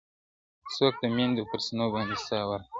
څوک د میندو پر سینو باندي ساه ورکړي -